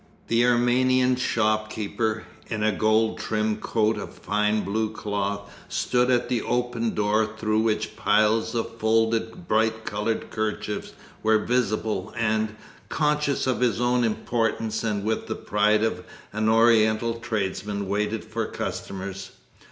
The Armenian shopkeeper, in a gold trimmed coat of fine blue cloth, stood at the open door through which piles of folded bright coloured kerchiefs were visible and, conscious of his own importance and with the pride of an Oriental tradesman, waited for customers.